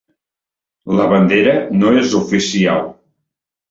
La bandera no és oficial.